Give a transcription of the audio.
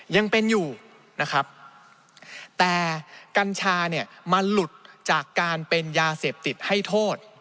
ยังเป็นอยู่นะครับแต่กัญชาเนี่ยมันหลุดจากการเป็นยาเสพติดให้โทษ